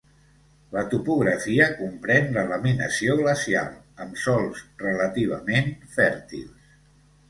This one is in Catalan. La topografia comprèn la laminació glacial, amb sòls relativament fèrtils.